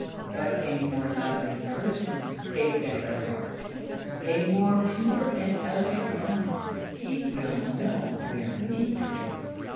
But a more lovely person, a better heart, a more pure and elegant mind, he will no where meet with.